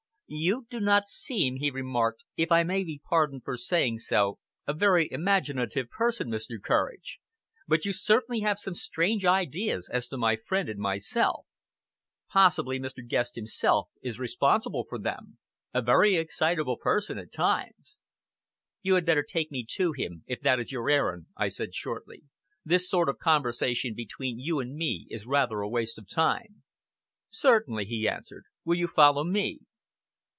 "You do not seem," he remarked, "if I may be pardoned for saying so, a very imaginative person, Mr. Courage, but you certainly have some strange ideas as to my friend and myself. Possibly Mr. Guest himself is responsible for them! A very excitable person at times!" "You had better take me to him, if that is your errand," I said shortly. "This sort of conversation between you and me is rather a waste of time." "Certainly!" he answered. "Will you follow me?"